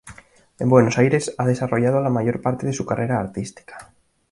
En Buenos Aires ha desarrollado la mayor parte de su carrera artística.